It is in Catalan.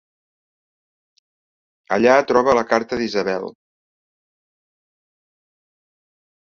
Allà troba la carta d'Isabel.